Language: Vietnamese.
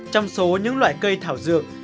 trong số những loại cây thảo dược